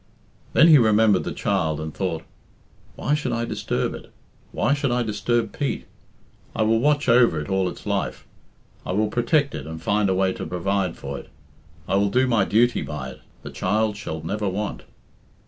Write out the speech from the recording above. Then he remembered the child and thought, "Why should I disturb it? Why should I disturb Pete? I will watch over it all its life. I will protect it and find a way to provide for it. I will do my duty by it. The child shall never want."